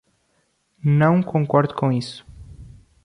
Não concordo com isso